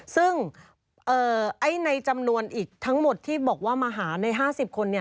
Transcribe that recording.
ซึ่งในจำนวนอีกทั้งหมดที่บอกว่ามาหาใน๕๐คน